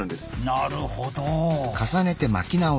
なるほど。